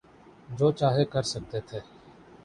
جو چاہے کر سکتے تھے۔